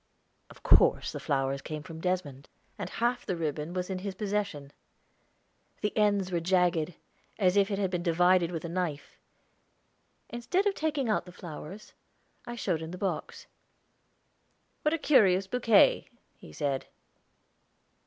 Of course the flowers came from Desmond, and half the ribbon was in his possession; the ends were jagged, as if it had been divided with a knife. Instead of taking out the flowers, I showed him the box. "What a curious bouquet," he said.